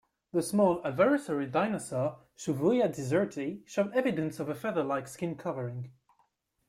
The small alvarezsaurid dinosaur "Shuvuuia deserti" showed evidence of a featherlike skin covering.